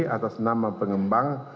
atas nama pengembang